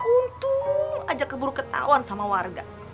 untung ajak keburu ketahuan sama warga